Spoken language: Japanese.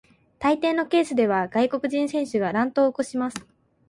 大抵のケースでは外国人選手が乱闘を起こします。